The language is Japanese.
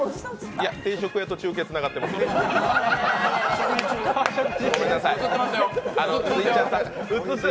いや、定食屋と中継つながってますんで。